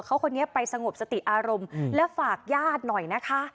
เขาคนนี้ไปสงบสติอารมณ์และฝากญาติหน่อยนะคะ